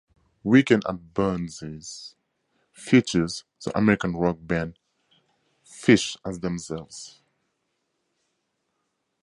"Weekend at Burnsie's" features the American rock band Phish as themselves.